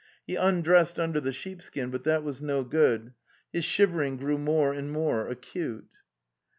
... He undressed under the sheepskin, but that was no good. His shivering grew more and more acute.